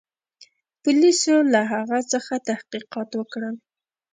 پولیسو له هغه څخه تحقیقات وکړل.